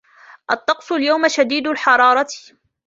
الطقس اليوم شديد الحرارة.